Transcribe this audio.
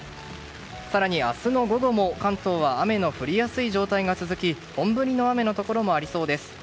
更に明日の午後も関東は雨の降りやすい状態が続き本降りの雨のところもありそうです。